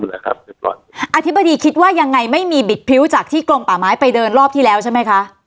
อธิภาษาวิทยาฯคิดว่ายังไงในกลมปลาไม้ไปเดินรอบที่แล้วคิดใช่ไหมค่ะ